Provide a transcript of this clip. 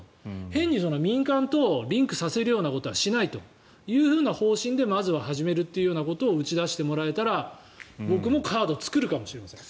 変に民間とリンクさせるようなことはしないという方針でまずは始めるというようなことを打ち出してもらえたら僕もカード作るかもしれません。